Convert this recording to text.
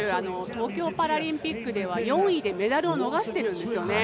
東京パラリンピックでは４位でメダルを逃してるんですよね。